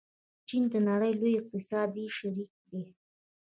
چین د نړۍ لوی اقتصادي شریک دی.